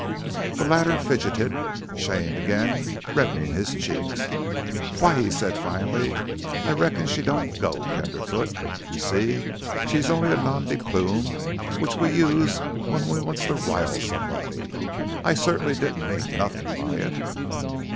The latter fidgeted, shame again reddening his cheeks. "Why," he said finally, "I reckon she don't go, tenderfoot. You see, she's only a noma de ploom which we uses when we wants to rile somebody. I cert'nly didn't mean nothin' by it."